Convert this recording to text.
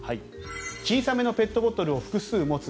小さめのペットボトルを複数持つ。